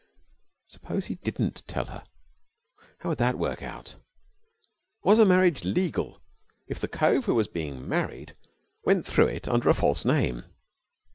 Suppose he didn't tell her? How would that work out? Was a marriage legal if the cove who was being married went through it under a false name?